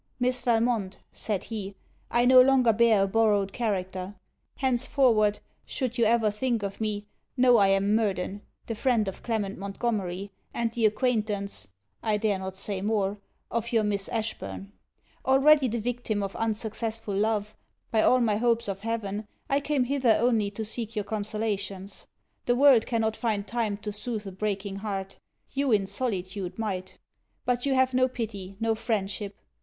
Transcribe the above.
'Miss Valmont,' said he, 'I no longer bear a borrowed character. Henceforward, should you ever think of me, know I am Murden, the friend of Clement Montgomery, and the acquaintance (I dare not say more) of your Miss Ashburn. Already the victim of unsuccessful love, by all my hopes of heaven, I came hither only to seek your consolations. The world cannot find time to sooth a breaking heart. You in solitude might. But you have no pity, no friendship.